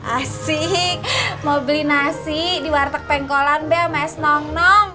asik mau beli nasi di warteg pengkolan be sama es nong nong